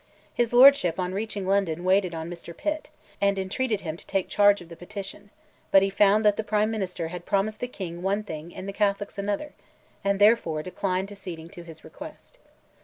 His lordship on reaching London waited on Mr. Pitt, and entreated him to take charge of the petition; but he found that the Prime Minister had promised the King one thing and the Catholics another, and, therefore, declined acceding to his request.